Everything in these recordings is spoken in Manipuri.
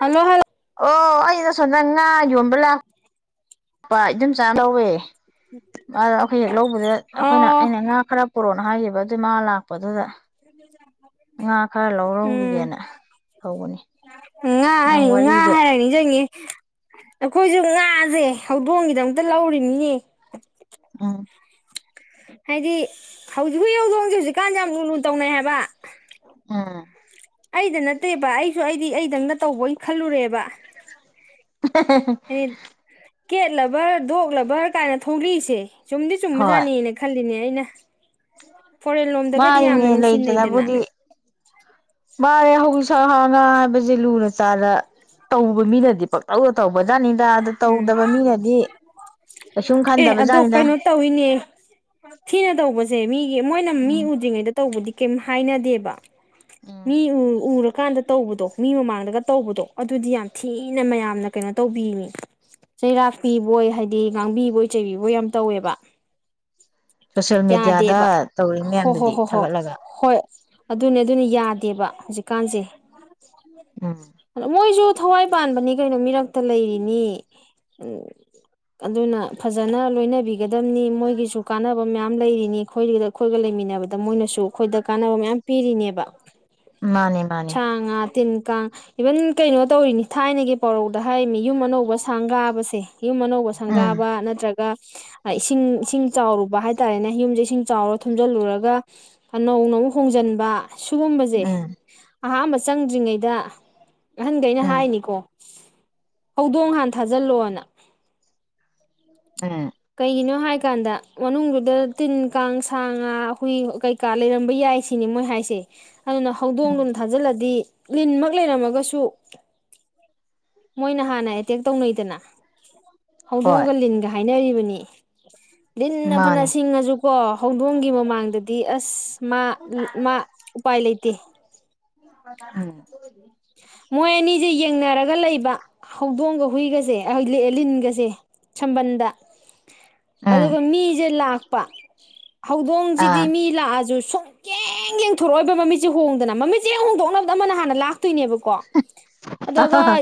ꯍꯜꯂꯣ ꯍꯜ ꯑꯩꯩꯅ ꯁꯣꯝꯗ ꯉꯥ ꯌꯣꯟꯕ ꯂꯥꯛ ꯄꯥ ꯑꯗꯨꯝ ꯆꯥ ꯂꯧꯋꯦ ꯑ ꯑꯩꯈꯣꯏ ꯍꯦꯛ ꯂꯧꯕꯗ ꯑꯩꯈꯣꯏꯅ ꯑꯣ ꯑꯩꯅ ꯉꯥ ꯈꯔ ꯄꯣꯔꯣꯅ ꯍꯥꯏꯈꯤꯕ ꯑꯗꯨꯏ ꯃꯥ ꯂꯥꯛꯄꯗꯨꯗ ꯉꯥ ꯈꯔ ꯎꯝ ꯂꯧꯔꯧꯈꯤꯒꯦꯅ ꯇꯧꯕꯅꯤ ꯉꯥ ꯅꯪ ꯍꯥꯏꯅꯤ ꯉꯥ ꯋꯥꯔꯤꯗꯣ ꯍꯥꯏꯔ ꯅꯤꯡꯖꯪꯉꯦ ꯑꯩꯈꯣꯏꯖꯨ ꯉꯥꯖꯦ ꯍꯧꯗꯣꯡꯒꯤꯗꯃꯛꯇ ꯂꯧꯔꯤꯅꯤꯅꯦ ꯎꯝ [unintelligible] ꯍꯥꯏꯗꯤ ꯍꯧꯖꯤꯛ [unintelligible] ꯍꯨꯏ ꯍꯧꯗꯣꯡꯖꯦ ꯍꯧꯖꯤꯛꯀꯥꯟ ꯌꯥꯝ ꯂꯨ ꯂꯨ ꯇꯧꯅꯩ ꯍꯥꯏꯕ ꯑꯝ ꯑꯩꯗ ꯅꯠꯇꯦꯕ ꯑꯩꯁꯨ ꯑꯩꯗꯤ ꯑꯩꯗꯪꯅ ꯇꯧꯕꯣꯏ ꯈꯜꯂꯨꯔꯦꯕ ꯑ ꯍ ꯍ ꯍ [unintelligible] ꯀꯦꯠꯂꯕꯔ ꯗꯣꯛꯂꯕꯔ ꯀꯥꯏꯅ ꯊꯣꯛꯂꯛꯏꯁꯦ ꯆꯨꯝꯗꯤ ꯍꯣꯏ ꯆꯨꯝꯕꯖꯥꯠꯅꯦꯅ ꯈꯜꯂꯤꯅꯦ ꯑꯩꯅ ꯐꯣꯔꯦꯟ ꯂꯣꯝꯗꯒꯗꯤ ꯃꯥꯅꯤꯅꯦ ꯌꯥꯝꯅ ꯅꯨꯡꯁꯤꯅꯩꯗꯅ ꯂꯩꯇꯅꯕꯨꯗꯤ ꯃꯥꯅꯦ ꯍꯧꯁꯥꯍꯅ ꯁꯥ ꯍꯥꯏꯕꯖꯦ ꯂꯨꯅ ꯆꯥꯔ ꯇꯧꯕ ꯃꯤꯅꯗꯤ ꯄꯪꯇꯧꯗ ꯇꯧꯕꯖꯥꯠꯅꯤ ꯎꯝ ꯀꯩꯁꯨꯝ ꯑꯦ ꯑꯗꯣ ꯈꯟꯗꯕꯖꯥꯠꯅꯤꯗ ꯀꯩꯅꯣ ꯇꯧꯏꯅꯦ ꯊꯤꯅ ꯇꯧꯕꯁꯦ ꯃꯤꯒꯤ ꯃꯣꯏꯅ ꯃꯤ ꯎꯝ ꯎꯗ꯭ꯔꯤꯉꯩꯗ ꯇꯧꯕꯗꯤ ꯀꯩꯝ ꯍꯥꯏꯅꯗꯦꯕ ꯎꯝ ꯃꯤ ꯎ ꯎꯔ ꯀꯥꯟꯗ ꯇꯧꯕꯗꯣ ꯃꯤ ꯃꯃꯥꯡꯗꯒ ꯇꯧꯕꯗꯣ ꯑꯗꯨꯗꯤ ꯌꯥꯝ ꯊꯤꯅ ꯃꯌꯥꯝꯅ ꯀꯩꯅꯣ ꯇꯧꯕꯤꯅꯤ ꯆꯩꯔꯥꯛꯄꯤꯕꯣꯏ ꯍꯥꯏꯗꯤ ꯉꯥꯡꯕꯤꯕꯣꯏ ꯆꯩꯕꯤꯕꯣꯏ ꯌꯥꯝ ꯇꯧꯋꯦꯕ ꯁꯣꯁꯦꯜ ꯃꯦꯗꯤꯌꯥꯗ ꯌꯥꯗꯦꯕ ꯇꯧꯔꯤ ꯍꯣ ꯍꯣ ꯃꯌꯥꯝꯗꯨꯗꯤ ꯍꯣ ꯍꯣ ꯊꯥꯒꯠꯂꯒ ꯍꯣꯏ ꯑꯗꯨꯅꯦ ꯑꯗꯨꯅ ꯌꯥꯗꯦꯕ ꯍꯧꯖꯤꯛꯀꯥꯟꯁꯦ ꯎꯝ ꯃꯣꯏꯁꯨ ꯊꯋꯥꯏ ꯄꯥꯟꯕꯅꯤ ꯀꯩꯅꯣ ꯃꯤꯔꯛꯇ ꯂꯩꯔꯤꯅꯤ ꯎꯝ ꯑꯗꯨꯅ ꯐꯖꯅ ꯂꯣꯏꯅꯕꯤꯒꯗꯝꯅꯤ ꯃꯣꯏꯒꯤꯁꯨ ꯀꯥꯟꯅꯕ ꯃꯌꯥꯝ ꯂꯩꯔꯤꯅꯤ ꯑꯩꯈꯣꯏ ꯑꯩꯈꯣꯏꯒ ꯂꯩꯃꯤꯟꯅꯕꯗ ꯃꯣꯏꯅꯁꯨ ꯑꯩꯈꯣꯏꯗ ꯀꯥꯟꯅꯕ ꯃꯌꯥꯝ ꯄꯤꯔꯤꯅꯦꯕ ꯃꯥꯅꯦ ꯃꯥꯅꯦ ꯆꯥꯡ ꯉꯥ ꯇꯤꯟ ꯀꯥꯡ ꯏꯚꯟ ꯀꯩꯅꯣ ꯇꯧꯔꯤꯅꯤ ꯊꯥꯏꯅꯒꯤ ꯄꯧꯔꯧꯗ ꯍꯥꯏꯃꯤ ꯌꯨꯝ ꯑꯅꯧꯕ ꯁꯥꯡꯒꯥꯕꯁꯦ ꯌꯨꯝ ꯑꯅꯧꯕ ꯎꯝ ꯁꯪꯒꯥꯕ ꯅꯠꯇ꯭ꯔꯒ ꯒꯥ ꯏꯁꯤꯡ ꯏꯁꯤꯡ ꯆꯥꯎꯔꯨꯕ ꯍꯥꯏ ꯍꯥꯏꯇꯥꯔꯦꯅꯦ ꯌꯨꯝꯁꯦ ꯏꯁꯤꯡ ꯆꯥꯎꯔ ꯊꯨꯝꯖꯤꯜꯂꯨꯔꯒ ꯅꯧꯅ‌ꯑꯃꯨꯛ ꯍꯣꯡꯖꯤꯟꯕ ꯁꯨꯒꯨꯝꯕꯖ‌ꯦ ꯎꯝ ꯑꯍꯥꯟꯕ ꯆꯪꯗ꯭ꯔꯤꯉꯩꯗ ꯑꯍꯟꯈꯩꯅ ꯎꯝ ꯍꯥꯏꯅꯤꯀꯣ ꯍꯧꯗꯣꯡ ꯍꯥꯟ ꯊꯥꯖꯤꯜꯂꯣꯅ ꯎꯝ ꯀꯩꯒꯤꯅꯣ ꯍꯥꯏꯀꯥꯟꯗ ꯃꯅꯨꯡꯗꯨꯗ ꯇꯤꯟ ꯀꯥꯡ ꯁꯥ ꯉꯥ ꯍꯨꯏ ꯀꯩꯀꯥ ꯂꯩꯔꯝꯕ ꯌꯥꯏ ꯁꯤꯅꯤ ꯃꯣꯏ ꯍꯥꯏꯁꯦ ꯑꯗꯨꯅ ꯎꯝ ꯍꯧꯗꯣꯡꯗꯨꯝ ꯊꯥꯖꯤꯜꯂꯗꯤ ꯂꯤꯟꯃꯛ ꯂꯩꯔꯝꯃꯒꯁꯨ ꯃꯣꯏꯅ ꯍꯥꯟꯅ ꯑꯦꯇꯦꯛ ꯇꯧꯅꯩꯗꯅ ꯍꯣꯏ ꯍꯧꯗꯣꯡꯒ ꯂꯤꯟꯒ ꯍꯥꯏꯅꯔꯤꯕꯅꯤ ꯅꯤ ꯂꯤꯟꯅ ꯐꯅ ꯃꯥꯅꯦ ꯁꯤꯡꯉꯁꯨ ꯀꯣ ꯍꯧꯗꯣꯡꯒꯤ ꯃꯃꯥꯡꯗꯗꯤ ꯑꯁ ꯃꯥ ꯃꯥ ꯎꯄꯥꯥꯏ ꯂꯩ ꯇꯦ [unintelligible] [inaudible] ꯃꯣꯏ ꯑꯅꯤꯁꯦ ꯌꯦꯡꯅꯔꯒ ꯂꯩꯕ ꯍꯧꯗꯣꯡꯒ ꯍꯨꯏꯒꯁꯦ ꯑꯩ ꯂꯤꯟꯒꯁꯦ ꯁꯝꯕꯟꯗ ꯎꯝ ꯑꯗꯨꯒ ꯃꯤꯁꯦ ꯂꯥꯛ ꯄ ꯍꯧꯗꯣꯡꯁꯤꯗꯤ ꯑꯥ ꯃꯤ ꯂꯥꯛꯑꯁꯨ ꯁꯨꯡꯌ‌ꯦꯡ ꯌꯦꯡꯊꯣꯔꯛꯑꯣꯏꯕ ꯃꯃꯤꯠꯁꯦ ꯍꯣꯡꯗꯅ ꯃꯃꯤꯠꯁꯦ ꯍꯣꯡꯗꯣꯛꯅꯕꯗ ꯑꯃꯅ ꯍꯥꯟꯅ ꯂꯥꯛꯇꯣꯏꯅꯦꯕ ꯀꯣ ꯑꯗꯨꯒ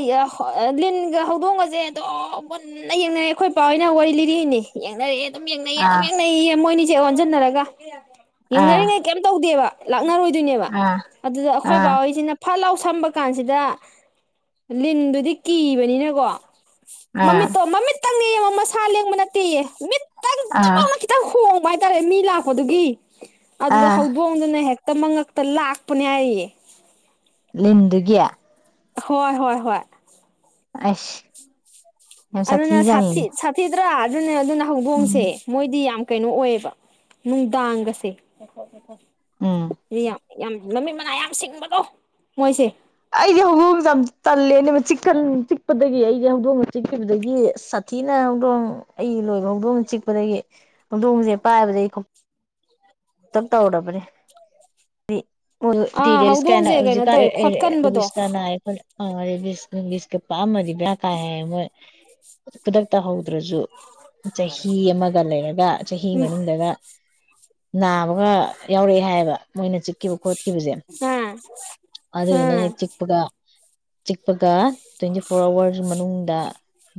ꯂꯤꯟ ꯍꯧꯗꯣꯡꯒꯁꯦ ꯑꯝ ꯃꯨꯟꯅ ꯌꯦꯡꯅꯔꯦ ꯑꯩꯈꯣꯏ ꯄꯥ ꯍ‌ꯣꯏꯅ ꯋꯥꯔꯤ ꯂꯤꯔꯤꯛꯏꯅꯦ ꯌꯦꯡꯅꯔꯦ ꯑꯗꯨꯝ ꯌꯦꯡꯅꯩꯌꯦ ꯑꯗꯨꯝ ꯑꯥ ꯌꯦꯡꯅꯩꯌꯦ ꯃꯣꯏꯅꯤ ꯏꯆꯦ ꯑꯣꯟꯁꯤꯟꯅꯔꯒ ꯑꯥ ꯌ‌ꯦꯡꯅꯔꯤꯉꯩ ꯀꯩꯝ ꯇꯧꯗꯦꯕ ꯂꯥꯛꯅꯔꯣꯏ ꯑꯗꯨꯅꯦꯕ ꯑꯥ ꯑꯗꯨꯗ ꯑꯩꯈꯣꯏ ꯑꯥ ꯕꯥꯍꯩꯁꯤꯅ ꯐꯜꯂꯥꯎ ꯁꯝꯕ ꯀꯥꯟꯁꯤꯗ ꯂꯤꯟꯗꯨꯗꯤ ꯀꯤꯕꯅꯤꯅꯀꯣ ꯑꯥ ꯃꯃꯤꯠꯇꯣ ꯃꯃꯤꯠ ꯈꯪꯉꯦ ꯃꯁꯥ ꯂꯦꯡꯕ ꯅꯠꯇꯦ ꯃꯤꯠ ꯑꯥ ꯍꯥꯏꯇꯥꯔꯦ ꯃꯤ ꯂꯥꯛꯄꯗꯨꯒꯤ ꯑꯗꯨꯗ ꯑꯥ ꯍꯧꯗꯣꯡꯗꯨꯅ ꯍꯦꯛꯇ ꯇ ꯃꯉꯛꯇ ꯂꯥꯛꯄꯅꯦ ꯍꯥꯏꯔꯤꯌꯦ꯫ ꯂꯤꯟꯗꯨꯒꯤ ꯍꯣꯏ ꯍꯣꯏ ꯍꯣꯏ ꯑꯁ ꯌꯥꯝ ꯑꯗꯨꯅ ꯁꯥꯊꯤ ꯁꯥꯊꯤꯖꯥꯠꯅꯤꯅꯦ ꯁꯥꯊꯤ ꯗꯔ ꯑꯗꯨꯅꯦ ꯑꯗꯨꯅ ꯍꯧꯗꯣꯡꯁꯦ ꯎꯝ ꯃꯣꯏꯗꯤ ꯌꯥꯝ ꯀꯩꯅꯣ ꯑꯣꯏꯌꯦꯕ ꯅꯨꯡꯗꯥꯡꯒꯁꯦ ꯎꯝ [unintelligible] ꯌꯥꯝ ꯃꯃꯤꯠ ꯃꯅꯥꯏ ꯌꯥꯝ ꯁꯤꯡꯕꯗꯣ ꯃꯣꯏꯁꯦ ꯑꯩꯗꯤ ꯍꯧꯗꯣꯡꯁꯦ ꯌꯥꯝ ꯆꯜꯂꯦ ꯑ ꯆꯤꯛ ꯆꯤꯛꯄꯗꯒꯤ ꯑꯩꯗꯤ ꯍꯧꯗꯣꯡꯅ ꯆꯤꯛꯈꯤꯕꯗꯒꯤ ꯁꯥꯊꯤꯅ ꯍꯧꯗꯣꯡ ꯑꯩ ꯂꯣꯏꯕ ꯍꯧꯗꯣꯡꯅ ꯆꯤꯛꯄꯗꯒꯤ ꯍꯧꯗꯣꯡꯁꯦ ꯄꯥꯏꯕꯗꯒꯤ ꯇꯞ ꯇꯧꯔꯕꯅꯦ ꯑꯣ ꯑꯥ ꯇꯤꯔꯤꯜꯁ ꯀ ꯍꯧꯗꯣꯡꯁꯦ ꯀꯩꯅꯣ ꯍꯧꯖꯤꯛ ꯀꯟ ꯇꯧꯋꯦ ꯈꯣꯠꯀꯟꯕꯗꯣ ꯔꯦꯕꯥꯁ ꯅꯨꯡꯁꯤ ꯀꯥ ꯄꯛꯑꯃꯃꯗꯤ ꯕꯦꯔꯥ ꯀꯥꯏ ꯍꯥꯏꯃꯣꯢ꯫ [unintelligible] ꯈꯨꯗꯛꯇ ꯍꯧꯗ꯭ꯔꯁꯨ ꯆꯍꯤ ꯑꯃꯒ ꯂꯩꯔꯒ ꯆꯍꯤ ꯎꯝ ꯃꯅꯨꯡꯗꯒ ꯅꯥꯕꯒ ꯌꯥꯎꯔꯛꯑꯦ ꯍꯥꯏꯌꯦꯕ ꯃꯣꯏꯅ ꯆꯤꯛꯈꯤꯕ ꯈꯣꯠꯈꯤꯕꯁꯦ ꯑꯥ ꯑꯗꯨꯗꯨꯅ ꯑꯥ ꯍꯦꯛ ꯆꯤꯛꯄꯒ ꯆꯤꯛꯄꯒ ꯇ꯭ꯋꯦꯟꯇꯤ ꯐꯣꯔ ꯑꯋꯔꯁ ꯃꯅꯨꯡ ꯗ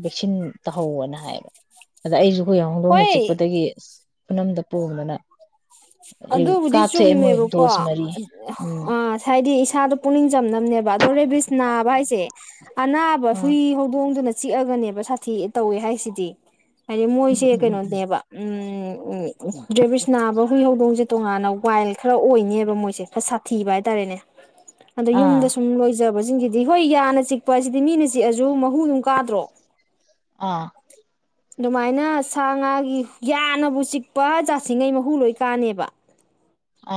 ꯚꯦꯛꯁꯤꯟ ꯇꯥꯍꯧꯋꯅ ꯍꯥꯏꯕ ꯑꯗ ꯑꯩꯁꯨ ꯑꯩꯈꯣꯏ ꯍꯧꯗꯣꯡꯅ ꯍꯣꯏ ꯆꯤꯛꯄꯗꯒꯤ ꯏꯁ ꯈꯨꯅꯝꯗ ꯄꯣꯝꯗꯅ꯫ ꯑꯗꯨꯕꯨꯗꯤ ꯀꯥꯞꯊꯣꯛꯑꯦ ꯃꯣꯏ ꯆꯨꯝꯃꯦꯕꯀꯣ ꯗꯣꯁ ꯑ ꯃꯔꯤ ꯎꯝ ꯍꯥꯏꯗꯤ ꯏꯁꯥꯗꯣ ꯄꯨꯛꯅꯤꯡ ꯆꯝꯅꯕꯅꯦꯕ ꯑꯗꯣ ꯔꯦꯕꯤꯁ ꯅꯥꯕ ꯍꯥꯏꯁꯦ [inaudible] ꯑꯅꯥꯕ ꯑꯥ ꯍꯨꯏ ꯍꯧꯗꯣꯡꯗꯨꯅ ꯆꯤꯛꯑꯒꯅꯦꯕ ꯁꯥꯊꯤ ꯇꯧꯋꯦ ꯍꯥꯏꯁꯤꯗꯤ ꯍꯥꯏꯗꯤ ꯎꯝ ꯃꯣꯏꯁꯦ ꯎꯝ ꯎꯝ ꯎꯝ ꯀꯩꯅꯣꯅꯦꯕ ꯎꯝ ꯎꯝ ꯎꯝ ꯔꯦꯕꯤꯁ ꯅꯥꯕ ꯍꯨꯏꯍꯧꯗꯣꯡ ꯁꯦ ꯇꯣꯉꯥꯟꯅ ꯋꯥꯏꯜ ꯈꯔ ꯑꯣꯏꯅꯦꯕ ꯃꯣꯏꯁꯦ ꯈꯔ ꯁꯥꯊꯤꯕ ꯍꯥꯏꯇꯥꯔꯦꯅꯦ ꯑꯗꯣ ꯑꯥ ꯌꯨꯝꯗ ꯁꯨꯝ ꯂꯣꯏꯖꯕꯁꯦ ꯆꯤꯡꯁꯤꯗꯤ ꯍꯣꯏ ꯌꯥꯅ ꯆꯤꯛꯄ ꯑꯁꯤꯗꯤ ꯃꯤꯅ ꯆꯤꯛꯑꯁꯨ ꯃꯍꯨ ꯑꯗꯨꯝ ꯀꯥꯗ꯭ꯔꯣ ꯑꯥ ꯑꯗꯨꯃꯥꯏꯅ ꯁꯥ ꯉꯥꯒꯤ ꯌꯥꯅꯕꯨ ꯆꯤꯛꯄ ꯖꯥꯠꯁꯤꯉꯩ ꯃꯍꯨ ꯂꯣꯏ ꯀꯥꯅꯦꯕ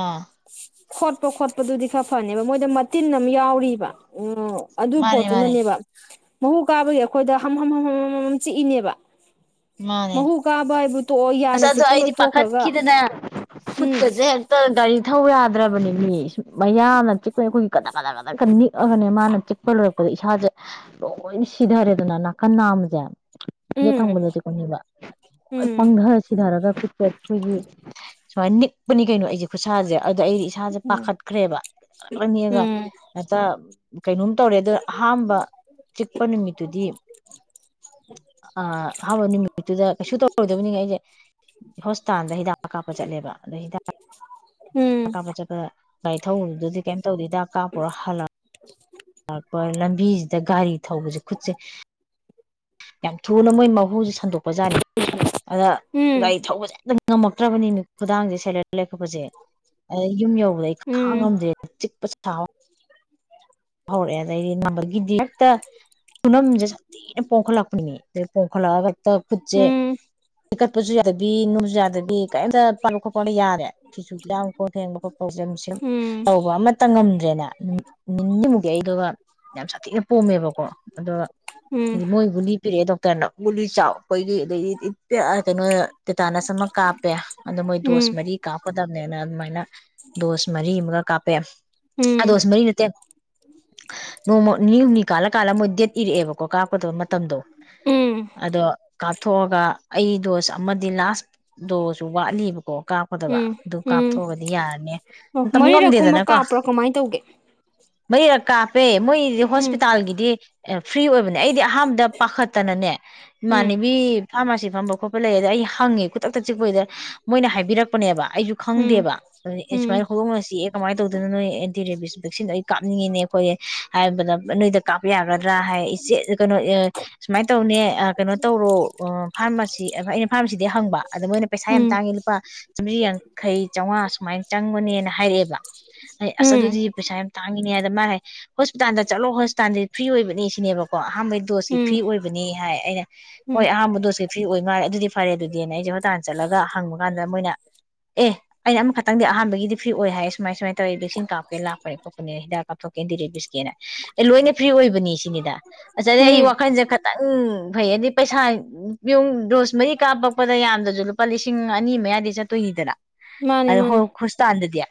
ꯑꯥ ꯈꯣꯠꯄ ꯈꯣꯠꯄꯗꯨꯗꯤ ꯈꯔ ꯐꯅꯦꯕ ꯃꯣꯏꯗ ꯃꯇꯤꯟ ꯑꯃ ꯌꯥꯎꯔꯤꯕ ꯑꯗꯨ ꯃꯥꯅꯦ ꯃꯥꯅꯦ ꯄꯣꯠꯇꯨꯅꯅꯦꯕ ꯃꯍꯨ ꯀꯥꯕꯒꯤ ꯑꯩꯈꯣꯏꯗ ꯍꯝ ꯍꯝ ꯍꯝ ꯍꯝ ꯍꯝꯃꯝ ꯆꯤꯛꯏꯅꯦꯕ ꯃꯥꯅꯦ ꯃꯍꯨ ꯀꯥꯕ ꯍꯥꯏꯕ ꯇꯣꯛꯑꯣ ꯌꯥꯅ ꯑꯁ ꯑꯗꯣ ꯆꯤꯛꯄ ꯂꯣꯏ ꯑꯩꯗꯤ ꯇꯣꯛꯈ꯭ꯔꯒ ꯄꯥꯈꯠꯈꯤꯗꯅ ꯎꯝ ꯈꯨꯠꯀꯁꯦ ꯍꯦꯛꯇ ꯒꯥꯔꯤ ꯊꯧꯕ ꯌꯥꯗ꯭ꯔꯕꯅꯦ ꯃꯤ ꯁ ꯃꯌꯥꯅ ꯆꯤꯛꯄꯒꯤ ꯑꯩꯈꯣꯏꯒꯤ ꯒꯗꯛ ꯒꯗꯛ ꯅꯤꯛ ꯑꯅꯦ ꯃꯥꯅ ꯆꯤꯛꯄ ꯂꯣꯏꯔ ꯑꯗ ꯏꯁꯥꯁꯦ ꯂꯣꯏꯅ ꯁꯤꯊꯔꯦꯗꯅ ꯅꯥꯀꯟ ꯅꯥꯝꯃꯖꯦ ꯌꯦꯠ ꯎꯝ ꯊꯪꯕꯗ ꯆꯤꯛꯄ ꯍꯣꯏ ꯎꯝ ꯄꯪꯊꯔ ꯁꯤꯊꯔꯒ ꯑꯩꯈꯣꯏꯒꯤ ꯁꯨꯃꯥꯏꯅ ꯅꯤꯛꯄꯅꯤ ꯀꯩꯅꯣ ꯑꯩꯁꯦ ꯈꯨꯠꯁꯥꯁꯦ ꯑꯗ ꯑꯩꯗꯤ ꯏꯁꯥꯁꯦ ꯄꯥꯈꯠꯈ꯭ꯔꯦꯕꯂꯅꯤꯒ ꯎꯝ ꯍꯇ ꯀꯩꯅꯣꯝ ꯇꯧꯔꯦ ꯑꯗ ꯑꯍꯥꯟꯕ ꯆꯤꯛꯄ ꯅꯨꯃꯤꯠꯇꯨꯗꯤ ꯑ ꯑꯍꯥꯟꯕ ꯅꯨꯃꯤꯠꯇꯨꯗ ꯀꯩꯁꯨ ꯇꯧꯔꯣꯏꯗꯕꯅꯤꯉ ꯑꯩꯁꯦ ꯍꯣꯁꯄꯤꯇꯥꯜꯗ ꯍꯤꯗꯥꯛ ꯀꯥꯞꯄ ꯆꯠꯂꯦꯕ ꯑꯗꯣ ꯍꯤꯗꯥꯛ ꯎꯝ ꯀꯥꯞꯄ ꯆꯠꯄꯗ ꯒꯥꯔꯤ ꯊꯧꯔꯨꯗꯨꯗꯤ ꯀꯩꯝ ꯇꯧꯗꯦꯗ ꯀꯥꯞꯄꯨꯔ ꯍꯜꯂꯛꯄ ꯂꯥꯛꯄ ꯂꯝꯕꯤꯁꯤꯗ ꯒꯥꯔꯤ ꯊꯧꯕꯁꯦ ꯈꯨꯠꯁꯦ ꯌꯥꯝ ꯊꯨꯅ ꯃꯣꯏ ꯃꯍꯨꯁꯦ ꯁꯟꯗꯣꯛꯄꯖꯥꯠꯅꯤ ꯑꯗ ꯎꯝ ꯒꯥꯔꯤ ꯊꯧꯕꯁꯦ ꯍꯦꯛꯇ ꯉꯝꯃꯛꯇ꯭ꯔꯕꯅꯤꯠ ꯈꯨꯗꯥꯡꯁꯦ ꯁꯦꯂꯔ ꯂꯩꯈꯠꯄꯁꯦ ꯌꯨꯝ ꯌꯧ ꯑꯩ ꯎꯝ ꯈꯥꯡꯉꯝꯗꯦ ꯆꯤꯛꯄ ꯊꯥꯎ ꯍꯧꯔꯛꯑꯦ ꯑꯗꯩꯗꯤ ꯅꯝꯕꯒꯤꯗꯤ ꯍꯦꯛꯇ ꯈꯨꯅꯝꯁꯦ ꯁꯥꯊꯤꯅ ꯄꯣꯝꯈꯠꯂꯛꯄꯅꯤꯅꯦ ꯑꯗꯨ ꯄꯣꯡꯈꯠꯂꯛꯑ ꯍꯦꯛꯇ ꯎꯝ ꯈꯨꯠꯁꯦ ꯊꯤꯈꯠꯄꯁꯨ ꯌꯥꯗꯕꯤ ꯅꯨꯡꯁꯨ ꯌꯥꯗꯕꯤ ꯀꯔꯤꯝꯇ ꯄꯥꯕ ꯈꯣꯠꯄꯅ ꯌꯥꯔꯦ ꯐꯤꯁꯨ ꯌꯥꯝ ꯀꯣꯟꯠ ꯊꯦꯡꯕ ꯈꯣꯄ ꯇꯧꯁꯝ ꯁꯨꯝ ꯎꯝ ꯇꯧꯕ ꯑꯃ ꯑꯝꯇ ꯉꯝꯗ꯭ꯔꯦꯅꯦ ꯏꯤꯟꯃꯨꯛꯛꯇ ꯑꯩꯗꯨꯒ ꯌꯥꯝ ꯁꯥꯊꯤꯅ ꯄꯣꯝꯃꯦꯕꯀꯣ ꯑꯗꯣ ꯎꯝ ꯎꯝ ꯃꯣꯏꯕꯨꯗꯤ ꯄꯤꯔꯛꯑꯦ ꯗꯣꯛꯇꯔꯅ ꯒꯨꯂꯤ ꯆꯥꯎ ꯑꯩꯈꯣꯏꯒꯤ ꯑꯗꯩꯗꯤ ꯀꯩꯅꯣ ꯇꯦꯇꯥꯅꯁ ꯑꯃ ꯀꯥꯞꯄꯦ ꯑꯗꯣ ꯃꯣꯏ ꯗꯣꯁ ꯎꯝ ꯃꯔꯤ ꯀꯥꯞꯀꯗꯕꯅꯦꯅ ꯑꯗꯨꯃꯥꯏꯅ ꯗꯣꯁ ꯃꯔꯤ ꯑꯃꯒ ꯀꯥꯞꯄꯦ ꯗꯣꯁ ꯃꯔꯤ ꯅꯠꯇꯦ ꯅꯣꯡꯃ ꯅꯤ ꯍꯨꯝꯅꯤ ꯀꯥꯜꯂ ꯀꯥꯜꯂ ꯃꯣꯏ ꯗꯦꯠ ꯏꯔꯛꯑꯦꯕꯀꯣ ꯀꯥꯞꯀꯗꯕ ꯃꯇꯝꯗꯣ ꯎꯝ ꯎꯝ ꯑꯗꯣ ꯀꯥꯞꯊꯣꯛꯑꯒ ꯑꯩ ꯗꯣꯁ ꯑꯃꯗꯤ ꯂꯥꯁ ꯗꯣꯁꯨ ꯋꯥꯠꯂꯤꯕꯀꯣ ꯀꯥꯞꯀꯗꯕ ꯎꯝ ꯑꯗꯨ ꯎꯝ ꯀꯥꯞꯊꯣꯛꯑꯒꯗꯤ ꯌꯥꯔꯅꯤ ꯑꯣ ꯃꯇꯝ ꯃꯔꯤꯔꯛ ꯀꯨꯝꯕ ꯉꯝꯗꯦꯗꯅꯀꯣ ꯀꯥꯞꯄ꯭ꯔꯣ ꯀꯃꯥꯏꯅ ꯇꯧꯒꯦ ꯃꯔꯤꯔꯛ ꯀꯥꯞꯄꯦ ꯄꯦ ꯃꯣꯏꯗꯤ ꯎꯝ ꯍꯣꯁꯄꯤꯇꯥꯜꯒꯤꯗꯤ ꯑꯦ ꯐ꯭ꯔꯤ ꯑꯣꯏꯕꯅꯦ ꯑꯩꯗꯤ ꯑꯍꯥꯟꯕꯗ ꯄꯥꯈꯠꯇꯅꯅꯦ ꯎꯝ ꯏꯃꯥꯟꯅꯕꯤ ꯐꯥꯔꯃꯥꯁꯤ ꯉꯝꯕ ꯈꯣꯠꯄ ꯂꯩꯑꯦ ꯑꯗ ꯑꯩ ꯍꯪꯉꯦ ꯈꯨꯗꯛꯇ ꯆꯤꯛꯄꯩꯗ ꯃꯣꯏꯅ ꯍꯥꯏꯕꯤꯔꯛꯄꯅꯦꯕ ꯑꯩꯁꯨ ꯎꯝ ꯈꯪꯗꯦꯕ ꯑꯗꯨ ꯑꯦ ꯎꯝ ꯁꯨꯃꯥꯏꯅ ꯍꯧꯗꯣꯛꯅ ꯆꯤꯛꯑꯦ ꯀꯃꯥꯏꯅ ꯇꯧꯗꯣꯏꯅꯣ ꯅꯣꯏ ꯑꯦꯟꯇꯤ ꯔꯦꯕꯤꯁ [unintelligible] ꯀꯥꯞꯅꯤꯡꯉꯤꯅꯦ ꯑꯩꯈꯣꯏꯁꯦ ꯍꯥꯏꯕꯗ ꯅꯣꯏꯗ ꯀꯥꯞꯄ ꯌꯥꯒꯗ꯭ꯔꯥ ꯍꯥꯏ ꯏꯆꯦ ꯀꯩꯅꯣ ꯁꯨꯃꯥꯏꯅ ꯇꯧꯅꯦ ꯀꯩꯅꯣ ꯇꯧꯔꯣ ꯐꯥꯔꯃꯥꯁꯤ ꯑꯩꯅ ꯐꯥꯔꯃꯥꯁꯤꯗꯤ ꯍꯪꯕ ꯑꯗ ꯃꯣꯏꯅ ꯄꯩꯁꯥ ꯌꯥꯝ ꯎꯝ ꯇꯥꯡꯉꯤ ꯂꯨꯄꯥ ꯆꯥꯝꯕ꯭ꯔꯤ ꯌꯥꯡꯈꯩ ꯆꯥꯝꯃꯉꯥ ꯁꯨꯃꯥꯏꯅ ꯆꯪꯕꯅꯦꯅ ꯍꯥꯏꯔꯛꯑꯦꯕ ꯑꯩ ꯑꯁ ꯎꯝ ꯑꯗꯨꯗꯤ ꯄꯩꯁꯥ ꯌꯥꯝ ꯇꯥꯡꯉꯤꯅꯦ ꯍꯥꯏꯕꯗ ꯃꯥꯅ ꯍꯥꯏ ꯍꯣꯁꯄꯤꯇꯥꯜꯗ ꯆꯠꯂꯣ ꯍꯣꯁꯇꯥꯜꯗꯤ ꯐ꯭ꯔꯤ ꯑꯣꯏꯕꯅꯤ ꯁꯤꯅꯦꯕꯀꯣ ꯑꯍꯥꯥꯟꯕꯩ ꯗꯣꯁꯁꯤ ꯐ꯭ꯔꯤ ꯎꯝ ꯑꯣꯏꯕꯅꯤ ꯍꯥꯏ ꯑꯩꯅ ꯍꯣꯏ ꯎꯝ ꯑꯍꯥꯟꯕ ꯗꯣꯁꯁꯤ ꯐ꯭ꯔꯤ ꯑꯣꯏ ꯃꯥꯜꯂꯦ ꯑꯗꯨꯗꯤ ꯐꯔꯦ ꯑꯗꯨꯗꯤꯅꯦ ꯑꯩꯖꯦ [unintelligible] ꯇꯥꯟ ꯆꯠꯂꯒ ꯍꯪꯕ ꯀꯥꯟꯗ ꯃꯣꯏꯅ ꯑꯦ ꯑꯩꯅ ꯑꯃꯈꯛꯇꯪꯗꯤ ꯑꯍꯥꯟꯕꯒꯤꯗꯤ ꯐ꯭ꯔꯤ ꯁꯤ ꯑꯣꯏ ꯍꯥꯏ ꯁꯨꯃꯥꯏ ꯁꯨꯃꯥꯏ ꯇꯧꯑꯦ ꯚꯦꯛꯁꯤꯟ ꯀꯥꯞꯀꯦ ꯂꯥꯛꯄꯅꯦ ꯊꯣꯛꯀꯦꯟꯗꯤ ꯔꯦꯕꯤꯁꯀꯦꯅ ꯑꯦ ꯂꯣꯏꯅ ꯐ꯭ꯔꯤ ꯑꯣꯏꯕꯅꯤ ꯁꯤꯅꯤꯗ ꯑꯆꯥ ꯑ ꯑꯩ ꯎꯝ ꯋꯥꯈꯜꯁꯦ ꯈꯠ ꯈꯤꯇꯪ ꯐꯩꯌꯦꯗꯤ ꯄꯩꯁꯥ ꯄꯤꯌꯨꯡ ꯗꯣꯁ ꯃꯔꯤ ꯀꯥꯞꯄꯛꯄꯗ ꯌꯥꯝꯗ꯭ꯔꯁꯨ ꯂꯨꯄꯥ ꯂꯤꯁꯤꯡ ꯑꯅꯤ ꯃꯌꯥꯗꯤ ꯆꯠꯇꯣꯏꯅꯤꯗꯅ ꯃꯥꯅꯤ ꯑ ꯍꯣ ꯃꯥꯅꯤ ꯍꯣꯁꯄꯤꯇꯥꯜꯗꯗꯤ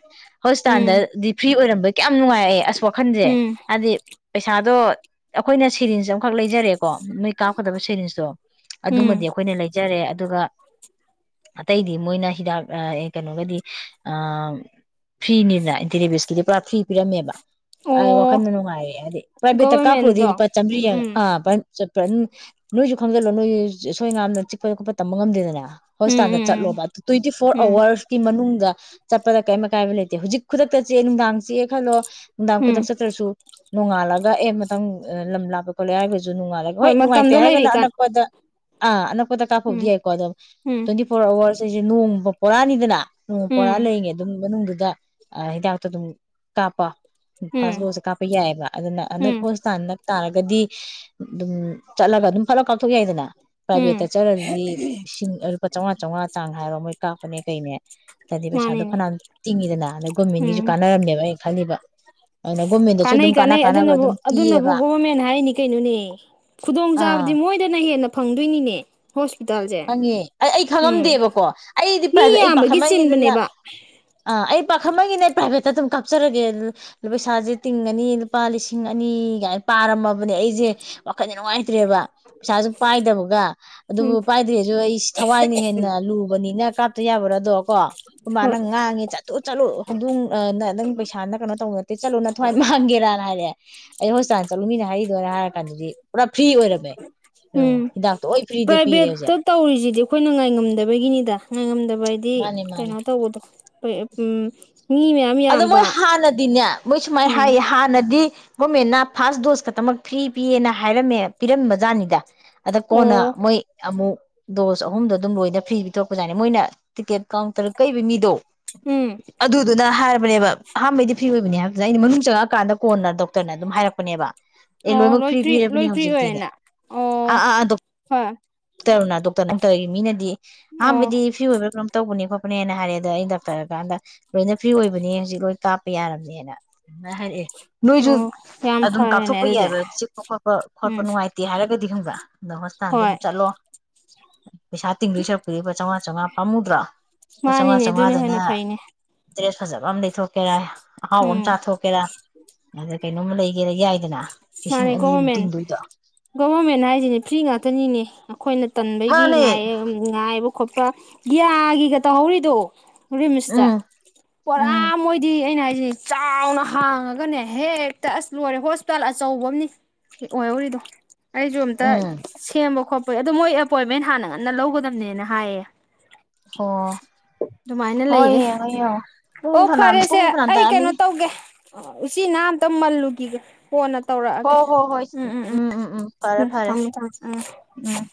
ꯍꯣꯁꯄꯤꯇꯥꯜ ꯎꯝ ꯗꯗꯤ ꯐ꯭ꯔꯤ ꯑꯣꯏꯔꯝꯕꯩ ꯀꯌꯥꯝ ꯅꯨꯡꯉꯥꯏ ꯑꯩ ꯑꯁ ꯋꯥꯈꯟꯁꯦ ꯎꯝ ꯍꯥꯏꯗꯤ ꯄꯩꯁꯥꯗꯣ ꯑꯩꯈꯣꯏꯅ ꯁꯦꯔꯤꯟꯁ ꯑꯃꯈꯛ ꯂꯩꯖꯔꯦꯀꯣ ꯅꯣꯏ ꯀꯥꯞꯀꯗꯕ ꯁꯦꯔꯤꯟꯁꯇꯣ ꯑꯗꯨꯃꯗꯤ ꯎꯝ ꯑꯩꯈꯣꯏꯅ ꯂꯩꯖꯔꯦ ꯑꯗꯨꯒ ꯑꯇꯩꯗꯤ ꯃꯣꯏꯅ ꯍꯤꯗꯥꯛ ꯑ ꯑꯦ ꯀꯩꯅꯣꯒꯗꯤ ꯑ ꯐ꯭ꯔꯤꯅꯤꯅ ꯑꯦꯟꯇꯤꯔꯦꯕꯤꯁꯀꯤꯗꯤ ꯄꯨꯔꯥ ꯐ꯭ꯔꯤ ꯄꯤꯔꯝꯃꯦꯕ ꯑꯩ ꯑꯣ ꯋꯥꯈꯟꯗ ꯅꯨꯡꯉꯥꯏꯔꯛꯑꯦ ꯍꯥꯏꯗꯤ ꯄ꯭ꯔꯥꯏꯐꯦꯠꯇ ꯀꯥꯞꯄꯨꯨꯔꯗꯤ ꯒꯣꯚꯔꯃꯦꯟꯗꯣ ꯂꯨꯄꯥ ꯆꯥꯝꯕ꯭ꯔꯤ ꯎꯝ ꯑ ꯄ꯭ꯔꯟ ꯑ ꯄ꯭ꯔꯟ ꯅꯣꯏꯁꯨ ꯈꯪꯖꯤꯜꯂꯣ ꯅꯣꯏ ꯁꯣꯏꯉꯥꯝꯗꯅ ꯆꯤꯛꯄ ꯈꯣꯠꯄ ꯇꯝꯕ ꯉꯝꯗꯦꯗꯅ ꯎꯝ ꯍꯣꯁꯄꯤꯇꯥꯜꯗ ꯎꯝ ꯆꯠꯂꯣꯕ ꯇ꯭ꯋꯦꯟꯇꯤ ꯐꯣꯔ ꯎꯝ ꯑꯋꯥꯔꯁꯀꯤ ꯃꯅꯨꯡꯗ ꯆꯠꯄꯗ ꯀꯩꯝ ꯑꯀꯥꯏꯕ ꯂꯩꯇꯦ ꯍꯧꯖꯤꯛ ꯈꯨꯗꯛꯇ ꯆꯤꯛꯑꯦ ꯅꯨꯡꯗꯥꯡ ꯆꯤꯛꯑꯦ ꯈꯜꯂꯣ ꯍ ꯅꯨꯡꯗꯥꯡ ꯈꯨꯗꯛ ꯎꯝ ꯆꯠꯇ꯭ꯔꯥꯁꯨ ꯅꯣꯡꯉꯥꯜꯂꯒ ꯑꯦ ꯃꯊꯪ ꯂꯝ ꯂꯥꯞꯄꯦ ꯈꯣꯠꯂꯦ ꯍꯥꯏꯔꯒꯁꯨ ꯅꯨꯡꯉꯥꯜꯂꯒ ꯍꯣꯏ ꯅꯨꯡꯉꯥꯏꯇꯦ ꯃꯇꯝꯗꯣ ꯍꯥꯏꯔꯒꯅ ꯂꯩꯔꯤꯀꯥꯟ ꯑꯅꯛꯄꯗ ꯑ ꯑꯅꯞ [unintelligible] ꯀꯥꯞꯄꯨꯕꯗꯤ ꯎꯝ ꯌꯥꯏꯀꯣ ꯑꯗꯨꯗ ꯎꯝ ꯇ꯭ꯋꯦꯟꯇꯤ ꯐꯣꯔ ꯑꯋꯥꯔꯁ ꯑꯩꯈꯣꯏꯁꯦ ꯅꯣꯡꯃ ꯄꯣꯔꯥꯅꯤꯗꯅ [unintelligible] ꯄꯣꯔꯥ ꯎꯝ ꯂꯩꯔꯤꯉꯩ ꯑꯗꯨꯝ ꯃꯅꯨꯡꯗꯨꯗ ꯍꯤꯗꯥꯛꯇ ꯑꯗꯨꯝ ꯇꯄ ꯐꯥꯔꯁ ꯎꯝ ꯗꯣꯁꯦ ꯀꯥꯞꯄ ꯌꯥꯏꯑꯕ ꯑꯗꯨꯅ ꯑꯅꯛ ꯎꯝ ꯍꯣꯁꯄꯤꯇꯥꯜ ꯅꯛ ꯇꯥꯔꯒ ꯀꯗꯤ ꯑꯗꯨꯝ ꯆꯠꯂꯒ ꯑꯗꯨꯝ ꯐꯠꯂꯞ ꯀꯥꯞꯊꯣꯛ ꯌꯥꯏꯗꯅ ꯄ꯭ꯔꯥꯏꯚꯦꯠꯇ ꯎꯝ ꯆꯠꯂꯗꯤ ꯏꯁꯤꯡ ꯂꯨꯄꯥ ꯆꯥꯝꯃꯉꯥ ꯆꯥꯝꯃꯉꯥ ꯆꯥꯡ ꯍꯥꯏꯔꯣ ꯃꯣꯏ ꯀꯥꯞꯄꯅꯦ ꯀꯩꯅꯦ ꯑꯗꯤ ꯄꯩꯁꯥꯗꯣ ꯃꯥꯅꯤꯅꯦ ꯐꯅꯅ ꯇꯤꯡꯉꯤꯗꯅ ꯑꯗꯩ ꯒꯣꯔꯃꯦꯟꯒꯤꯁꯨ ꯎꯝ ꯀꯥꯟꯅꯔꯝꯃꯦꯕ ꯑꯩ ꯈꯜꯂꯤꯕ ꯑꯗꯨꯅ ꯒꯣꯔꯃꯦꯟꯗꯁꯨ ꯀꯥꯟꯅꯩ ꯑꯗꯨꯝ ꯀꯥꯟꯅ ꯀꯥꯟꯅꯩ ꯀꯥꯟꯅꯕ ꯑꯗꯨꯅꯕꯨ ꯑꯗꯨꯝ ꯑꯗꯨꯅꯕꯨ ꯄꯤꯌꯦꯕ ꯒꯣꯚꯔꯃꯦꯟ ꯍꯥꯏꯅꯤ ꯀꯩꯅꯣꯅꯦ ꯈꯨꯗꯣꯡꯆꯥꯥꯕꯗꯤ ꯑꯥ ꯃꯣꯏꯗꯅ ꯍꯦꯟꯅ ꯐꯪꯗꯣꯏꯅꯤꯅꯦ ꯍꯣ ꯈꯪꯉꯦ ꯑꯩ ꯑꯩ ꯈꯪꯉꯝꯗꯦꯕꯀꯣ ꯑꯩꯗꯤ ꯃꯤ ꯄ꯭ꯔꯥꯏꯚꯦꯠ ꯑꯩ ꯌꯥꯝꯕꯒꯤ ꯄꯥꯈꯠꯃꯟꯒꯦꯗꯅ ꯆꯤꯟꯕꯅꯦꯕ ꯑꯥ ꯑꯩ ꯄꯥꯈꯠꯃꯟꯒꯦꯅ ꯄ꯭ꯔꯥꯏꯚꯦꯠ ꯀꯞꯆꯔꯒꯦ ꯄꯩꯁꯥꯁꯦ ꯇꯤꯡꯉꯅꯤ ꯂꯨꯄꯥ ꯂꯤꯁꯤꯡ ꯂꯤꯁꯤꯡ ꯑꯅꯤꯒꯥꯏ ꯄꯥꯔꯝꯃꯕꯅꯦ ꯑꯩꯁꯦ ꯋꯥꯈꯟꯗ ꯅꯨꯡꯉꯥꯏꯇ꯭ꯔꯦꯕ ꯄꯩꯁꯥꯁꯨ ꯄꯥꯏꯗꯕꯒ ꯑꯗꯨꯕꯨ ꯎꯝ ꯍꯥꯏꯗ꯭ꯔꯦꯁꯨ ꯑꯩ ꯊꯋꯥꯏꯅ ꯍꯦꯟꯅ ꯂꯨꯕꯅꯤꯅ ꯀꯥꯞꯇ ꯌꯥꯕ꯭ꯔꯥꯗꯣ ꯀꯣ‌ ꯈ‌ꯣꯏꯃꯅ ꯍꯣꯏ ꯉꯥꯡꯉꯦ ꯆꯠꯂꯨ ꯆꯠꯂꯨ ꯍꯧꯗꯣꯡ ꯅꯪ ꯄꯩꯁꯥꯅ ꯀꯩꯅꯣ ꯇꯧꯕ ꯅꯠꯇꯦ ꯆꯠꯂꯨ ꯅꯊꯋꯥꯏ ꯃꯥꯡꯒꯦꯔꯥ ꯍꯥꯏꯔꯛꯑꯦ ꯑꯩ ꯍꯣꯁꯄꯤꯇꯥꯜ ꯆꯠꯂꯨꯃꯤꯅ ꯍꯥꯏꯔꯤꯗꯣꯏꯔ ꯍꯥꯏꯔ ꯀꯥꯟꯗꯗꯤ ꯄꯨꯔꯥ ꯐ꯭ꯔꯤ ꯑꯣꯏꯔꯝꯃꯦ ꯌꯦꯡꯉꯣ ꯎꯝ ꯍꯤꯗꯥꯛꯇꯣ ꯂꯣꯏ ꯐ꯭ꯔꯤꯗ ꯄꯤꯔꯦ ꯄ꯭ꯔꯥꯏꯕꯦꯠꯇ ꯍꯧꯖꯤꯛ ꯇꯧꯔꯤꯁꯤꯗꯤ ꯑꯩꯈꯣꯏꯅ ꯉꯥꯏꯉꯝꯗꯕꯒꯤꯅꯤꯗ ꯉꯥꯏꯉꯝꯗꯕ ꯍꯥꯏ ꯗꯤ ꯃꯥꯅꯦ ꯃꯥꯅꯦ ꯀꯩꯅꯣ ꯇꯧꯕꯗꯣ ꯎꯝ ꯃꯤ ꯃꯌꯥꯝ ꯑꯗꯣ ꯌꯥꯝꯕ ꯃꯣꯏ ꯍꯥꯟꯅꯗꯤꯅꯦ ꯃꯣꯏ ꯁꯨꯃꯥꯏꯅ ꯎꯝ ꯍꯥꯏꯌꯦ ꯍꯥꯟꯅꯗꯤ ꯒꯣꯔꯃꯦꯟꯅ ꯐꯥꯔꯁ ꯗꯣꯁ ꯈꯛꯇꯃꯛ ꯐ꯭ꯔꯤ ꯄꯤꯌꯦꯅ ꯍꯥꯏꯔꯝꯃꯦ ꯄꯤꯔꯝꯕ ꯖꯥꯠꯅꯤꯗ ꯑꯗ ꯀꯣꯟꯅ ꯑꯣ ꯃꯣꯏ ꯑꯃꯨꯛ ꯗꯣꯁ ꯑꯍꯨꯝꯗꯣ ꯑꯗꯨꯝ ꯂꯣꯏꯅ ꯐ꯭ꯔꯤ ꯄꯤꯊꯣꯔꯛꯄꯖꯥꯠꯅꯦ ꯃꯣꯏꯅ ꯇꯤꯛꯀꯦꯠ ꯀꯥꯎꯟꯇꯔ ꯀꯩꯕ ꯃꯤꯗꯣ ꯎꯝ ꯑꯗꯨꯗꯨꯅ ꯍꯥꯏ ꯅꯦꯕ ꯑꯍꯥꯟꯕꯩ ꯐꯤ ꯑꯣꯏꯕꯅꯦ ꯍꯥꯏꯕꯁꯤꯗꯅ ꯑꯩꯅ ꯃꯅꯨꯡ ꯆꯪꯉꯛꯑꯀꯥꯟꯗ ꯀꯣꯟꯅ ꯗꯣꯛꯇꯔꯅ ꯑꯗꯨꯝ ꯍꯥꯏꯔꯛꯄꯅꯦꯕ ꯑꯦ ꯑꯣ ꯂꯣꯏꯅꯃꯛ ꯂꯣꯏ ꯐ꯭ꯔꯤ ꯄꯤꯔꯕꯅꯦ ꯂꯣꯏ ꯐ꯭ꯔꯤ ꯍꯧꯖꯤꯛꯇꯤꯅꯦ ꯑꯣꯏꯅ ꯑꯣ ꯍꯣꯏ ꯇꯔꯨꯅꯥ ꯗꯣꯛꯇꯔ ꯅꯪ ꯇꯧꯔꯤ ꯃꯤꯅꯗꯤ ꯑꯣ ꯑꯍꯥꯟꯕꯗꯤ ꯐ꯭ꯔꯤ ꯑꯣꯏꯕ ꯀꯩꯅ‌ꯣꯝ ꯇꯧꯕꯅꯤꯀꯣ ꯅꯦꯅ ꯍꯥꯏꯔꯦ ꯑꯗ ꯑꯩꯅ ꯗꯥꯛꯇꯔꯀꯥꯟꯗ ꯂꯣꯏꯅ ꯐ꯭ꯔꯤ ꯑꯣꯏꯕ ꯀꯥꯞꯄ ꯌꯥꯔꯝꯅꯦꯅ ꯍꯥꯏꯛꯑꯦ ꯅꯣꯏꯁꯨ ꯑꯣ ꯌꯥꯝ ꯑꯗꯨꯝ ꯐꯔꯦꯅꯦ ꯀꯥꯞꯊꯣꯛꯄ ꯑꯗꯨꯗꯤ ꯌꯥꯏꯕ ꯆꯤꯛꯄ ꯈꯣꯠꯄ ꯈꯣꯠꯄ ꯎꯝ ꯅꯨꯡꯉꯥꯏꯇꯦ ꯍꯥꯏꯔꯒꯗꯤ ꯁꯤ ꯍꯪꯕ ꯅꯁꯇꯥꯟꯗ ꯍꯣꯏ ꯑꯗꯨꯝ ꯆꯠꯂꯣ ꯎ ꯄꯩꯁꯥ ꯇꯤꯡꯗꯣꯏ ꯁꯔꯛꯄꯨꯗꯤ ꯂꯄꯥ ꯆꯥꯝꯃꯉꯥ ꯆꯥꯃꯉꯥ ꯄꯝꯃꯨꯗ꯭ꯔꯥ ꯂꯄꯥ ꯆꯥꯝꯃꯉꯥ ꯃꯥꯅꯤꯅꯦ ꯑꯗꯨꯅ ꯆꯥꯝꯉꯥꯗꯅ ꯍꯦꯟꯅ ꯐꯩꯅꯦ ꯗ꯭ꯔꯦꯁ ꯐꯖꯕ ꯑꯃꯝ ꯂꯩ ꯆꯥꯊꯣꯛꯀꯦꯔꯥ ꯑꯍꯥꯎꯕ ꯑꯃ ꯎꯝ ꯆꯥꯊꯣꯛꯀꯦꯔꯥ ꯑꯗ ꯀꯩꯅꯣꯝ ꯂꯩ ꯒꯦꯔ ꯌꯥꯏꯗꯅ ꯂꯤꯁꯤꯡ ꯃꯥꯅꯤ ꯑꯅꯤꯃꯨꯛ ꯒꯣꯚꯔꯃꯦꯟ ꯇꯤꯡꯗꯣꯏꯗꯣ ꯒꯣꯚꯔꯃꯦꯟ ꯍꯥꯏꯁꯤꯅꯦ ꯐ꯭ꯔꯤ ꯉꯥꯛꯇꯅꯤꯅꯦ ꯑꯩꯈꯣꯏꯅ ꯇꯟꯕꯒꯤ ꯃꯥꯅꯦ ꯉꯥꯏꯑ ꯉꯥꯏꯕ ꯈꯣꯠꯄ ꯒꯌꯥꯒꯤꯒ ꯇꯧꯍꯧꯔꯤꯗꯣ ꯔꯤꯝꯁꯇ ꯎꯝ ꯄꯨꯣꯔꯥ ꯎꯝ ꯃꯣꯏꯗꯤ ꯑꯩꯅ ꯍꯥꯏ ꯁꯤꯅꯤ ꯆꯥꯎꯅ ꯍꯥꯡꯉꯒꯅꯦ ꯍꯦꯛꯇ ꯑꯁ ꯂꯣꯏꯔꯦ ꯍꯣꯁꯄꯤꯇꯥꯜ ꯑꯆꯧꯕ ꯑꯃꯅꯤ ꯑꯣꯏꯍꯧꯔꯤꯗꯣ ꯑꯩꯁꯨ ꯑꯨꯇ ꯎꯝ ꯁꯦꯝꯕ ꯈꯣꯠꯄ ꯍꯣꯏ ꯑꯣ ꯃꯣꯏ ꯑꯦꯄꯣꯏꯟꯃꯦꯟ ꯍꯥꯟꯅ ꯉꯟꯅ ꯂꯧꯒꯗꯝꯕꯅꯦꯅ ꯍꯥꯏꯌꯦ ꯑꯣ ꯑꯗꯨꯃꯥꯏꯅ ꯂꯩꯌꯦ ꯍꯣꯏꯡꯡ ꯄꯨꯡ ꯑꯣ ꯐꯅꯥ ꯄꯨꯡ ꯈꯅꯥ ꯇꯥꯛꯑꯃꯤꯅꯦ ꯎ ꯎꯆꯤ ꯅꯝ ꯇꯃꯜꯂꯨꯒꯤꯒ ꯐꯣꯟ ꯍꯣ ꯍꯣ ꯍꯣꯏ ꯎꯝ ꯎꯝ ꯎꯝ ꯐꯔꯦ ꯐꯔꯦ ꯊꯝꯃꯦ ꯊꯝꯃꯦ ꯎꯝ ꯎꯝ